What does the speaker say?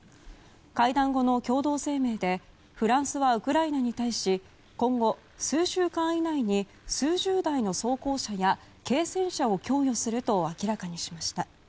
会談後の共同声明でフランスはウクライナに対し今後数週間以内に数十台の装甲車や軽戦車を供与すると明らかにしました。